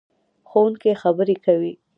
ښوونکې خبرې کوي.